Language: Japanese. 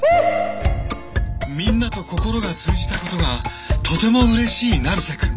みんなと心が通じたことがとてもうれしい成瀬くん。